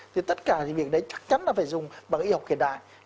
thì tất cả những việc đấy chắc chắn là phải dùng bằng y học hiện đại